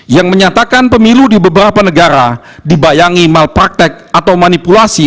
yang menyatakan pemilu di beberapa negara dibayangi malpraktek atau manipulasi